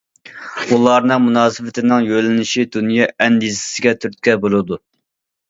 ئۇلارنىڭ مۇناسىۋىتىنىڭ يۆنىلىشى دۇنيا ئەندىزىسىگە تۈرتكە بولىدۇ.